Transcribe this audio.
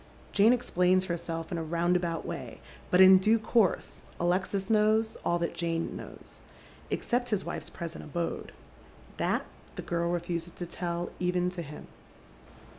Jane explains herself in a roundabout way, but in due course Alexis knows all that Jane knows, except his wife's present abode. That the girl refuses to tell even to him.